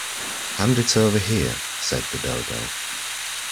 ‘Hand it over here,’ said the Dodo.